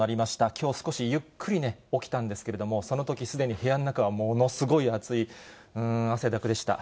きょう、少しゆっくり起きたんですけれども、そのときすでに部屋の中はものすごい暑い、汗だくでした。